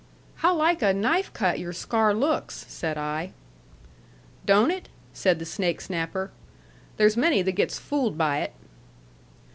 "How like a knife cut your scar looks!" said I. "Don't it?" said the snake snapper. "There's many that gets fooled by it."